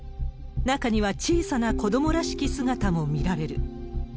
中には小さな子どもらしき姿も見られる。